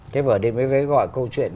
cái vở điện biên vĩ gọi câu chuyện